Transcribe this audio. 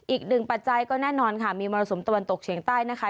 ปัจจัยก็แน่นอนค่ะมีมรสุมตะวันตกเฉียงใต้นะคะ